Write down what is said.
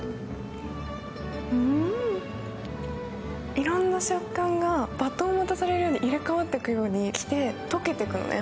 いろんな食感がバトンを渡されるように入れ替わるようにして溶けてくのね。